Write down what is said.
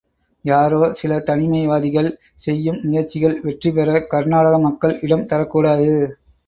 யாரோ சில தனிமை வாதிகள் செய்யும் முயற்சிகள் வெற்றி பெற, கர்நாடக மக்கள் இடம் தரக்கூடாது!